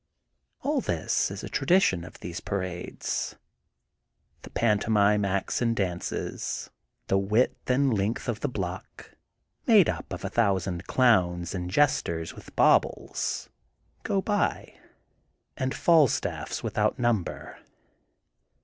All this is a tradition of these parades. The pantomime acts and dances, the width and length of the block, made up of a thousand clowns and jesters with baubles, go by; and Falstaffs without number.